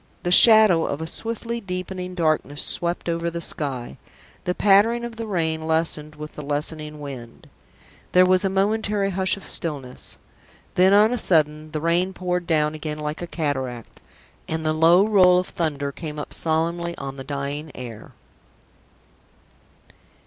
The shadow of a swiftly deepening darkness swept over the sky. The pattering of the rain lessened with the lessening wind. There was a momentary hush of stillness. Then on a sudden the rain poured down again like a cataract, and the low roll of thunder came up solemnly on the dying air.